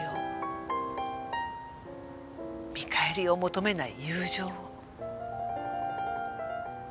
見返りを求めない友情を。